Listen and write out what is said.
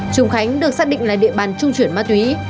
trùng khánh được xác định là địa bàn trung chuyển ma túy